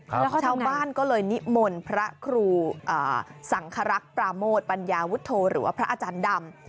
ชาวบ้านก็เลยนิมนต์พระครูสังครักษ์ปราโมทปัญญาวุฒโธหรือว่าพระอาจารย์ดำ